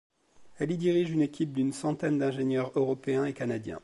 Elle y dirige une équipe d'une centaine d'ingénieurs européens et canadiens.